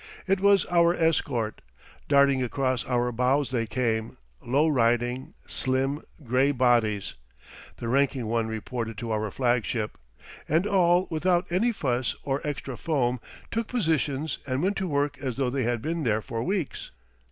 It was our escort. Darting across our bows they came low riding, slim, gray bodies. The ranking one reported to our flag ship; and all, without any fuss or extra foam, took position and went to work as though they had been there for weeks.